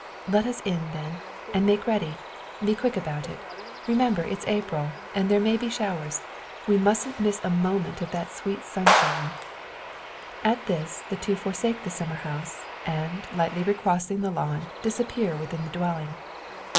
"Let us in, then, and make ready. Be quick about it! Remember it's April, and there may be showers. We mustn't miss a moment of that sweet sunshine." At this the two forsake the summer house; and, lightly recrossing the lawn, disappear within the dwelling.